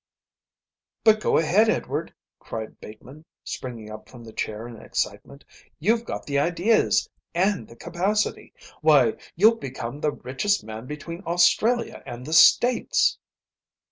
"But go ahead, Edward," cried Bateman, springing up from the chair in excitement. "You've got the ideas and the capacity. Why, you'll become the richest man between Australia and the States."